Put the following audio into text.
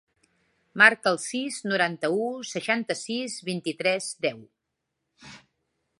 Marca el sis, noranta-u, seixanta-sis, vint-i-tres, deu.